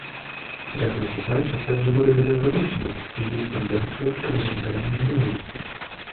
Ряд выступающих также выразили озабоченность в связи с тенденцией к разжиганию ненависти.